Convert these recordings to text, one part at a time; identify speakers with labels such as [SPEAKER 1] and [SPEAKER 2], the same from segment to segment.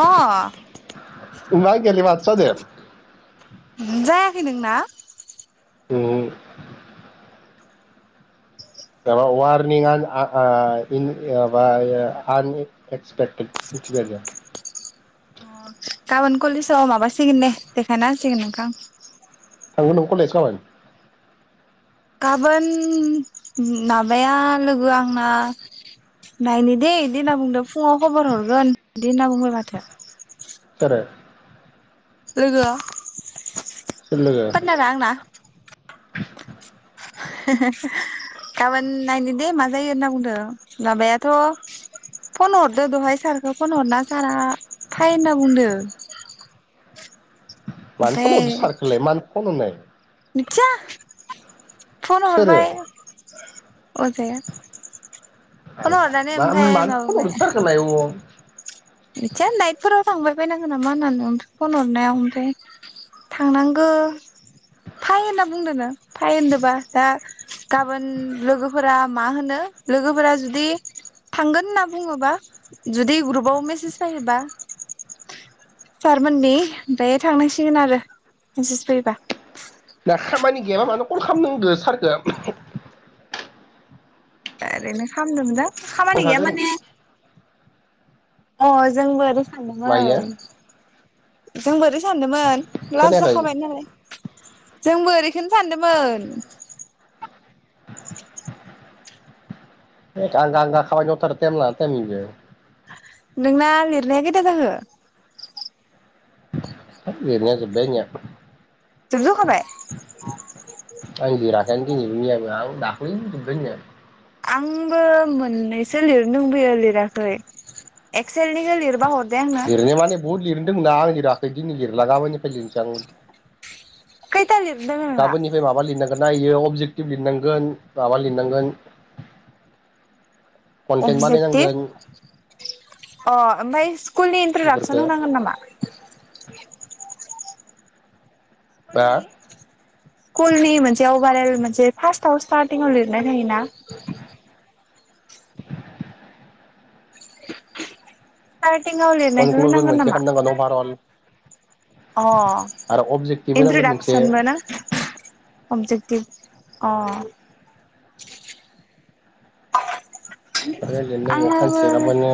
[SPEAKER 1] अ
[SPEAKER 2] मा गेले माथो जादो
[SPEAKER 1] जायाखै नोंना
[SPEAKER 2] न'आव माबा वार्निं आ ओ इन ओ बा ओ आनएक्सपेक्टेड मिथिबाय दे
[SPEAKER 1] गाबोन कलेजाव माबासिगोन दे देखायना होसिगोन नोंखो आं
[SPEAKER 2] थांगोन नों कलेज गाबोन
[SPEAKER 1] गाबोन नाबाया लोगो आ आंना नायनि दे इदि होनना बुंदों फुंङाव खबर हरगोन इदि होनना बुंबाय माथो।
[SPEAKER 2] सोरो
[SPEAKER 1] लोगोआ
[SPEAKER 2] सोर लोगो
[SPEAKER 1] पार्टआ आंना गाबोन नायनि दे मा जायो होनना बुंदों माबायाथ' फन हरदो दहाय सारखो फन हरना सारा फाय होनना बुंदों।
[SPEAKER 2] मानो फन
[SPEAKER 1] ओमफ्राय
[SPEAKER 2] हरदो सारखौलाय मानो फन हरनाय
[SPEAKER 1] मिथिया फन
[SPEAKER 2] सोरो
[SPEAKER 1] हरबाय अ जाया
[SPEAKER 2] मा मानो फन हरदो सारखोलाय अ
[SPEAKER 1] मिथिया नाइटफोराव थांबाय बायनांगोन नामा होननानै ओमफ्राय फन हरनायाव ओमफ्राय थांनांगो फाय होनना बुंदोना फाय होनदोंबा दा गाबोन लोगोफोरा मा होनो लोगोफोरा जुदि थांगोन होनना बुङोबा जुदि ग्रुपआव मेसेज फायोबा सारमोननि ओमफ्राय थांनांसिगोन आरो मेसेस फैयोबा।
[SPEAKER 2] दा खामानि गैयाबा मानो कल खामनांगो सारखो
[SPEAKER 1] ओरैनो खामदोंमोनजां खामानि गैया
[SPEAKER 2] थांखागोन
[SPEAKER 1] माने अ जोंबो ओरै
[SPEAKER 2] मायो
[SPEAKER 1] सानदोमोन। जोंबो ओरै सानदोंमोन लास
[SPEAKER 2] खोनायाखै
[SPEAKER 1] जाखाबाय नालाय जोंबो ओरैखोनो सानदोंमोन।
[SPEAKER 2] एग आंगा-आंगा खामानि मावथारो ताइम लाना ताइम इयो
[SPEAKER 1] नोंना लिरनाया कोयता जाखो
[SPEAKER 2] लिरनाया जोबबाय आंनिया
[SPEAKER 1] जोबजोबखाबाय
[SPEAKER 2] आं लिराखैनो दिनैबो मियाबो आं दाख्लैनो जोबबाय आंनिया
[SPEAKER 1] आंबो मोननैसो लिरनो दोंबोयो लिराखै एक्सेलनिखो लिरबा हरदे आंनो
[SPEAKER 2] लिरनो माने बहुत लिरनो दोंङोना आं लिराखै दिनै लिरला गामोननिफ्राय लिरनोसै आं।
[SPEAKER 1] खोयथालिरनो दङो नोंना।
[SPEAKER 2] गाबोननिफ्राय माबा लिरनांगोन नायो अबजेक्टिभ लिरनांगोन माबा लिरनांगोन।
[SPEAKER 1] [inaudible]
[SPEAKER 2] कन्टेन्ट
[SPEAKER 1] अबजेक्टिभ
[SPEAKER 2] बानायनांगोन
[SPEAKER 1] अ ओमफ्राय स्कुलनि इन्ट्रदाक्सन
[SPEAKER 2] बेफोरखौ
[SPEAKER 1] होनांगोन नामा।
[SPEAKER 2] बा
[SPEAKER 1] कलनि स्कुल नि मोनसे अभारेल मोनसे फार्स्टआव स्टार्टिंआव लिरनाय थायोना। स्टार्टिंव लिरनायखौ होनांगोन नामा।
[SPEAKER 2] मन'भारल
[SPEAKER 1] अ
[SPEAKER 2] अबजेक्टिभ
[SPEAKER 1] इन्द्रि
[SPEAKER 2] होनांगोन मोनसे
[SPEAKER 1] दाखसानमाना अबजेक्टिभ अ
[SPEAKER 2] ओमफ्राय लिरनो न'आव
[SPEAKER 1] आंनाबो
[SPEAKER 2] खानसे गाबोननो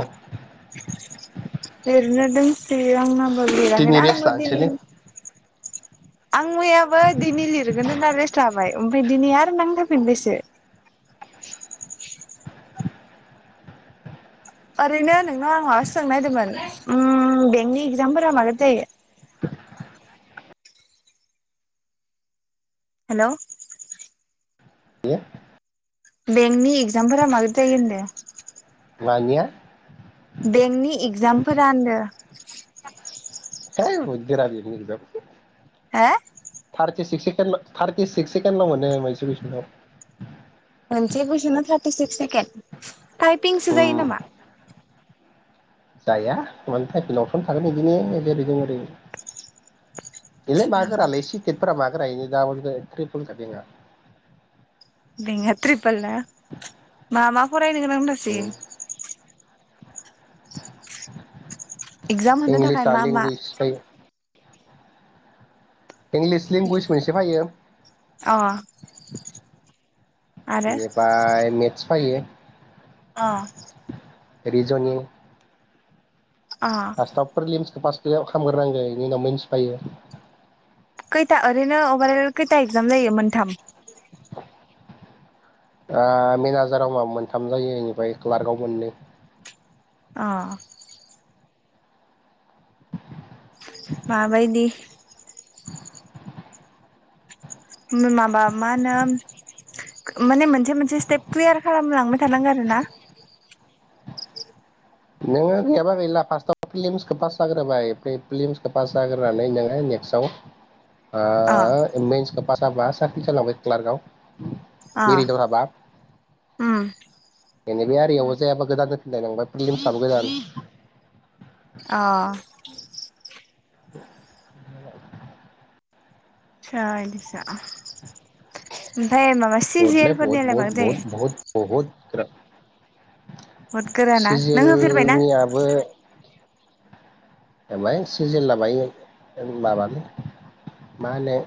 [SPEAKER 1] लिरनोदों। जेरै आंनाबो
[SPEAKER 2] दिनै
[SPEAKER 1] लिराखैना
[SPEAKER 2] रेस्ट
[SPEAKER 1] आंबो
[SPEAKER 2] लानोसैलै
[SPEAKER 1] दिनै आं मैयाबो दिनै लिरगोन होननानै रेस लाबाय ओमफाय दिनै आरो नांथाफिन बायसो। ओरैनो नोंनाव आं माबा सोंनायदोंमोन उम बेंकनि इगजामफोरा माला जायो? हेलौ
[SPEAKER 2] यो
[SPEAKER 1] बेंकनि एगजामफोरा [unintelligible] मारै जायो होनदों।
[SPEAKER 2] मानिया
[SPEAKER 1] बेंकनि एगजामफोरा होनदो।
[SPEAKER 2] [unintelligible]
[SPEAKER 1] हा
[SPEAKER 2] थार्टिसिक्स सेकेणड थार्टिसिक्स सेकेणडल मोनो मोनसे कुइसन आव।
[SPEAKER 1] मोनसे कुइसनाव थार्टिसिक्स सेकेणड टाइपिंसो जायो
[SPEAKER 2] उम
[SPEAKER 1] नामा?
[SPEAKER 2] जाया मान टाइपिंल' अपसन थागोन इदिनो जेरै जों ओरै एलै मा गोरालाय सिटेटफोरा [unintelligible] ट्रिपुल काटिंया
[SPEAKER 1] बेंक आ ट्रिपोल ना मा मा फरायनो गोनां दासै इगजाम होनो थाखाय
[SPEAKER 2] इंलिसआ
[SPEAKER 1] मा मा
[SPEAKER 2] लेंगुवेज फैयो इंलिस लेंगुवेज मोनसे फैयो।
[SPEAKER 1] अ आरो
[SPEAKER 2] बेनिफाय मेथ्स फोयो।
[SPEAKER 1] अ
[SPEAKER 2] रिजनिं
[SPEAKER 1] आ
[SPEAKER 2] स्टाबफोरमसखौ पासआव खालामग्रोनांगो बेनि उनाव मोनन्थिफायो।
[SPEAKER 1] खैथा ओरैनो अभारअल खैथा एक्जाम जायो मोनथाम
[SPEAKER 2] आ मेनेजाराव मा मोनथाम जायो इनिफाय क्लार्कआव मोनै
[SPEAKER 1] आं माबायदि माबा मा होनो माने मोनसे मोनसे स्टेप क्लियार खालामलांबाय थानांगोन आरो ना
[SPEAKER 2] नोङो गैयाबा गैला फार्स्टआव फिलिम्सखौ पास जाग्रोबाय फिलिम्सखौ पास जाग्रोनानै नोङो नेक्स्टआव आ
[SPEAKER 1] आ
[SPEAKER 2] मिसखौ फास जाबा सारकिल जालांबाय क्लार्कआव
[SPEAKER 1] अ
[SPEAKER 2] मेरिदर हाबाब
[SPEAKER 1] उम
[SPEAKER 2] बे आरियावबो जायाबा गोदान जाफिन लायबाय [unintelligible] [unintelligible]
[SPEAKER 1] आ
[SPEAKER 2] [inaudible]
[SPEAKER 1] सा इदिसो ओमफाय माबा
[SPEAKER 2] बहद लै बहद
[SPEAKER 1] सिजेलफोरनियालाय
[SPEAKER 2] बहद
[SPEAKER 1] मारै जायो
[SPEAKER 2] बहद बहद बहद ग्रा
[SPEAKER 1] बुहुद गोराना नों होफेरबायना
[SPEAKER 2] सिजेलनियाबो होबाय सिजेल लाबाय ओम माबानो मा होनो।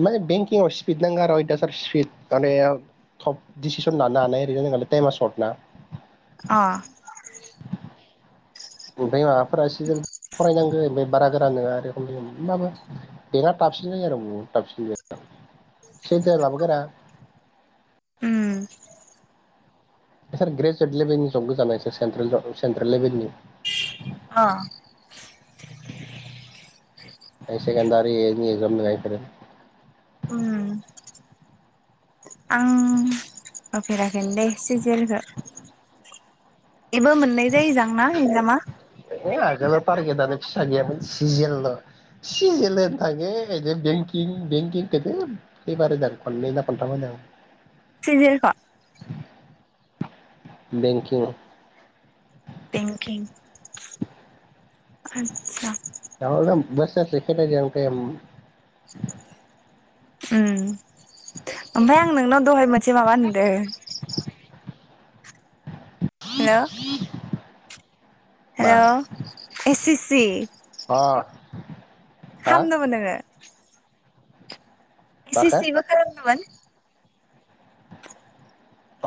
[SPEAKER 2] माने बेंकिं सपिड नांग आरो दार सपिड मानेव थटफ डिसिसन लानो हानायओैरैजाय जों टाइमा सर्ट ना
[SPEAKER 1] अ।
[SPEAKER 2] ओमफ्राय माबाफोरा सोजोन फरायनांगौ बे बारा गोरान नङा रोखोमनि होमबाबो बेंका थाबसिन होयो आरो बु थाबसिन जाया। सेटेल आबो गोरा
[SPEAKER 1] उम।
[SPEAKER 2] इसोर ग्रेजुवेट लेभेलनि जब गोजा ना इसोर सेन्ट्रेल' सेन्ट्रेल लेभेलनि।
[SPEAKER 1] अ।
[SPEAKER 2] हाइसेकेदारिनि जब नङा इफोरो
[SPEAKER 1] उम। आं होफेराखै दे सि जि एल खौ। इबो मोननै जायो जांना एगजामा?
[SPEAKER 2] एदिनो आगोलाव टारगेदानो फिसा गैयामोन सिजिएल ल'। सि जि एल एनटाखे एजिं बेंकिं बेंकिं [unintelligible] एबार होगोन खननैना खन्थाम होगोन।
[SPEAKER 1] सिजेएल।
[SPEAKER 2] बेंकिं।
[SPEAKER 1] बेंकिं।
[SPEAKER 2] बावनो आं बोसोरसे खेदायदों आं टायेम।
[SPEAKER 1] उम ओमफ्राय आं नोंनाव दहाय मोनसे मायबा नुदो।
[SPEAKER 2] [inaudible]
[SPEAKER 1] हेलौ एस सि सि।
[SPEAKER 2] अ।
[SPEAKER 1] खामदोंमोन नोङो? एस सि सि बो खालामदों मोन?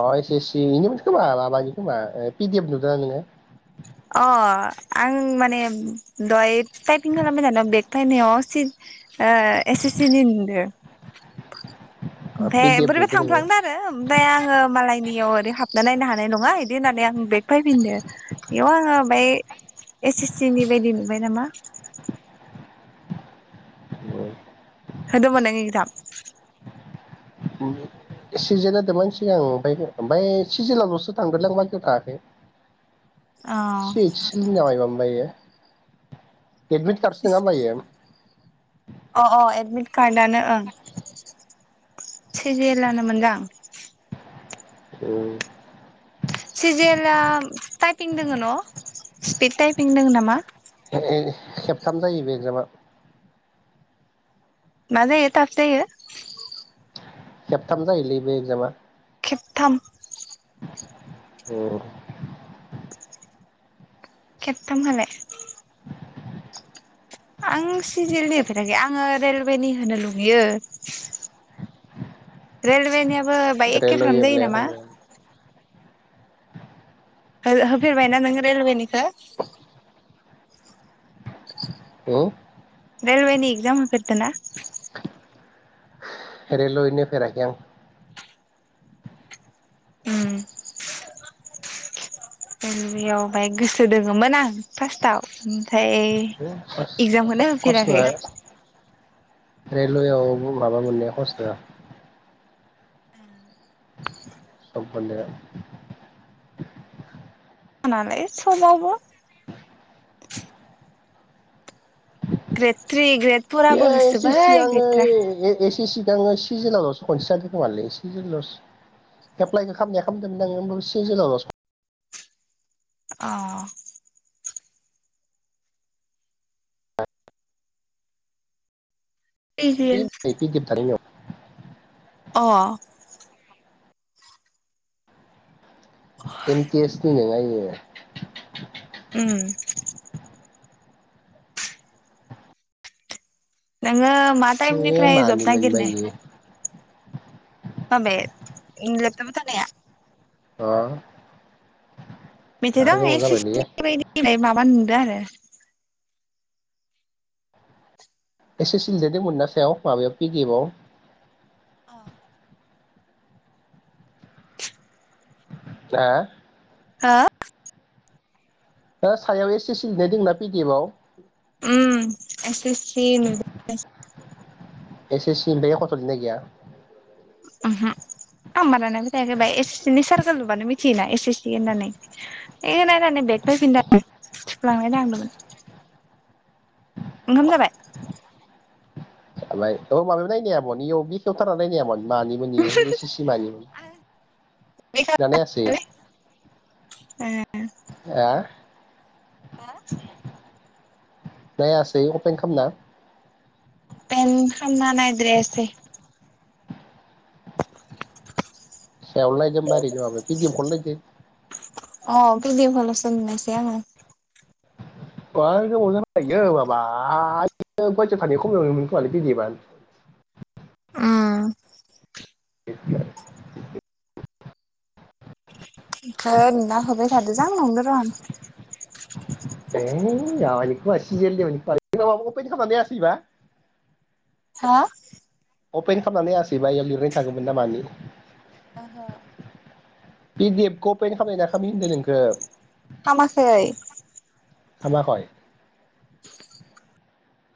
[SPEAKER 2] अ एस सि सि निमोन खोमा माबानि खोमा ओ पिडि एफ नुदोंना नोङो।
[SPEAKER 1] अ आं माने दहाय थाइपिं खालामबाय थानायाव बेग फायनायाव सि ओ एस सि सि नि नुदों। ओमफाय बोरैबा थाफ्लांदों। आरो ओमफ्राय आङो मालायनियाव ओरै हाबना नायनो हानाय नङा एदि होननानै बेग फैफिनदों। बेयाव आङो बाय एस सि सि नि बायदि नुबाय नामा। होदोंमोन नोङो एकजाम।
[SPEAKER 2] ओं सिजिएल होदोंमोन सिगां आं ओमफ्राय ओमफ्राय सिजिएल आवल'सो थांदोंलां बाखिआव थाङाखै।
[SPEAKER 1] [inaudible]
[SPEAKER 2] सिक्क सिनि ना मायाबा मोनबा इयो ऐडमिट कार्ड सो नङाहोनबा इयो।
[SPEAKER 1] अ अ एडमिट कार्डआनो ओं सिजिएल लानो मोनदां।
[SPEAKER 2] उम।
[SPEAKER 1] सिजिएल टाइपिं दोङ न' स्पिड टाइपिं दोङ नामा?
[SPEAKER 2] ए खेबथाम जायो बे एगजामा।
[SPEAKER 1] मा जायो थाफ जायो।
[SPEAKER 2] खेबथाम जायोलै बे एक्जामा।
[SPEAKER 1] खेबथाम।
[SPEAKER 2] अ।
[SPEAKER 1] खेबथाम खालाय? आं सिजेलनि होफेराखै आङो रेलवेनि होनो लुगैयो। रेलवेनियाबो बाय
[SPEAKER 2] रेलवे
[SPEAKER 1] एखेफ्राम
[SPEAKER 2] एप्लाइ
[SPEAKER 1] जायो नामा। होर होफेरबायना नों रेलवेनिखो?
[SPEAKER 2] औ।
[SPEAKER 1] रेलवेनि एगजाम होफेरदोना?
[SPEAKER 2] रेलवेनि होफेराखै आं।
[SPEAKER 1] उम गिबिआव बाहाय गोसो दोंङोमोन आं फार्स्टआव ओमफाय
[SPEAKER 2] [unintelligible] रेलवेआवबो माबा मोननाया हहस नोङा। जब मोननाया।
[SPEAKER 1] आंनालाय सबावबो। ग्रेत थ्रि ग्रेत
[SPEAKER 2] बे एसे सिगाङो ए एसी सी खो आंङो सिगाङो। सिजेनावलसो खनसे जादो खोमालै सिजेनावसो। एप्लाइखो खामनाया खालामदोंमोन आंङो ओमबाबो सिजेलाव
[SPEAKER 1] अ। सिजिएल
[SPEAKER 2] [unintelligible]
[SPEAKER 1] अ।
[SPEAKER 2] [unintelligible] नि नोङा इयो।
[SPEAKER 1] उम। नोङो मा
[SPEAKER 2] इयो
[SPEAKER 1] टाइमनिफ्राय
[SPEAKER 2] मानि
[SPEAKER 1] ज'ब
[SPEAKER 2] मोनबा
[SPEAKER 1] नागिरनाय?
[SPEAKER 2] इयो
[SPEAKER 1] माबे उम लेपटपबाव थानाया?
[SPEAKER 2] अ। आरो
[SPEAKER 1] [unintelligible]
[SPEAKER 2] गोबाव
[SPEAKER 1] इस सि
[SPEAKER 2] जाबायलै
[SPEAKER 1] सि नि बायदि माबा नुदो आरो।
[SPEAKER 2] एस सि सि लिरनाय दोंमोन ना सायाव माबायाव पिदिएफआव?
[SPEAKER 1] अ।
[SPEAKER 2] दा।
[SPEAKER 1] हा।
[SPEAKER 2] ओ सायाव एस सि सि लिरनाय दोङोना पिडिएफ आव।
[SPEAKER 1] उम एस एस सि नुदो
[SPEAKER 2] एस सि सि ओफाय एख'थो लिरनाय गैया?
[SPEAKER 1] ओमहो [unintelligible] बा एस सि सि नि सार्जार लुबानो मोनथियोना एस सि सि होननानै। ए नायनानै बेग फायफिनदों थुफ्लांनाय थांदोंमोन। ओंखाम जाबाय?
[SPEAKER 2] जाबाय औ माबायाव नायनो हायामन इआव बेखेवथारना नायनो हायामोन मानिमोन इयो एस सि सि मानिमोन दा नायासै।
[SPEAKER 1] ए
[SPEAKER 2] आ। नायासै अपेन खामना।
[SPEAKER 1] अपेन खामना नायद्राय आसै।
[SPEAKER 2] सायावल' नायदों होमबा ओरैनो माबा पिदिएफखोल' नायदों
[SPEAKER 1] अ पिदिएफखो लसो नुनायसै आंङो।
[SPEAKER 2] मार गोबाव जाबाय इयो माबा [unintelligible] गवाटियाव थानाय [unintelligible] पिदिएफ आ
[SPEAKER 1] उम।
[SPEAKER 2] [unintelligible]
[SPEAKER 1] आमफ्राय नोंनाव हरबाय थादोंदां नंदों र' आं।
[SPEAKER 2] [unintelligible] खालामनानै हायाखैब्ला।
[SPEAKER 1] हा?
[SPEAKER 2] अपेन खामना नायासैबा इआव लिरनाय थागौमोनना मानि।
[SPEAKER 1] ओहो।
[SPEAKER 2] पिडि एफखौ अपेन खामनाय ना खामि होनदो नोंखौ?
[SPEAKER 1] खामाखै
[SPEAKER 2] खामाखै?
[SPEAKER 1] [inaudible]